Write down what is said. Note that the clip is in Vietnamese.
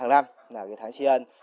là tháng tri ân